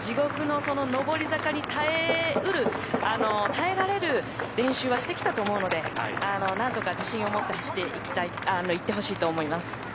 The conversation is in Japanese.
地獄の上り坂に耐えられる練習はしてきたと思うので何とか自信を持って走っていってほしいと思います。